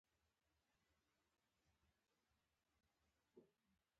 چې زه بېرته کوټې ته خپلې مدرسې ته ځم.